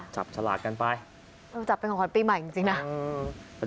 จับสลากกันไปจับเป็นของคนปีใหม่จริงนะ